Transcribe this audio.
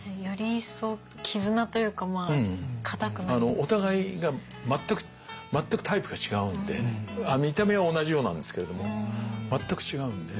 お互いが全くタイプが違うんで見た目は同じようなんですけれども全く違うんで。